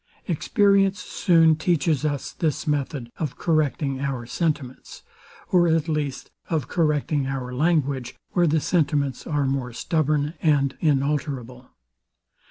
Experience soon teaches us this method of correcting our sentiments, or at least, of correcting our language, where the sentiments are more stubborn and inalterable.